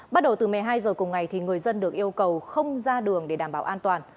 bắt đầu từ một mươi hai h cùng ngày người dân được yêu cầu không ra đường để đảm bảo an toàn